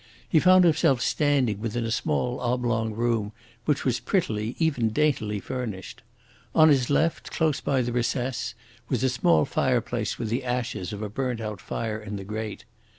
He found himself standing within a small oblong room which was prettily, even daintily, furnished. On his left, close by the recess, was a small fireplace with the ashes of a burnt out fire in the grate.